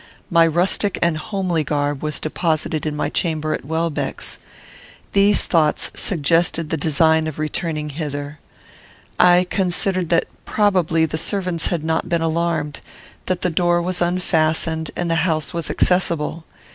My rustic and homely garb was deposited in my chamber at Welbeck's. These thoughts suggested the design of returning thither. I considered that, probably, the servants had not been alarmed. That the door was unfastened, and the house was accessible.